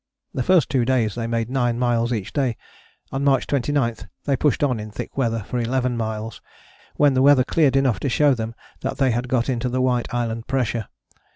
The first two days they made nine miles each day, on March 29 they pushed on in thick weather for eleven miles, when the weather cleared enough to show them that they had got into the White Island pressure.